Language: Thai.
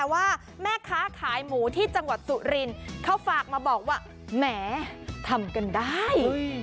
ว่าแม่ค้าขายหมูที่จังหวัดสุรินทร์เขาฝากมาบอกว่าแหมทำกันได้